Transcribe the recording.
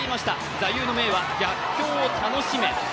座右の銘は、逆境を楽しめ。